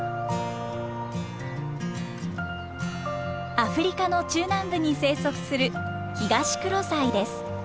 アフリカの中南部に生息するヒガシクロサイです。